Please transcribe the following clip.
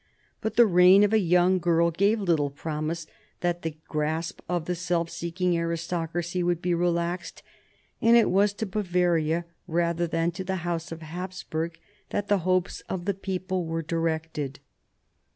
But the reign of a young girl gave little promise that the grasp of the self seeking aristocracy would be relaxed, and it was to Bavaria rather than to the House of Austria that the hopes of the people were directed.